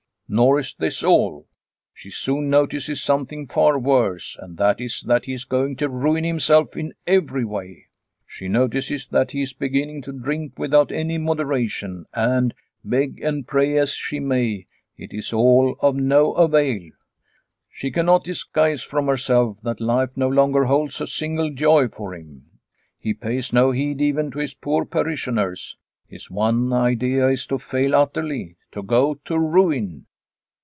Nor is this all. She soon notices something far worse, and that is that he is going to ruin himself in every way. She notices that he is beginning to drink without any moderation, and, beg and pray as she may, it is all of no avail. She cannot disguise from herself that life no longer holds a single joy for him. He pays no heed even to his poor parishioners ; his one idea is to fail utterly, to go to ruin.